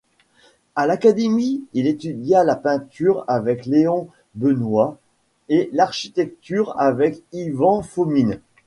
À l'Académie, il étudia la peinture avec Léon Benois et l'architecture avec Ivan Fomine.